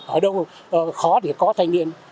ở đâu khó thì có thanh niên